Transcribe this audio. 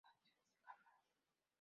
Canciones de cámara